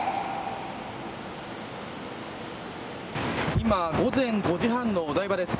今、午前５時半のお台場です。